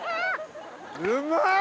うまい！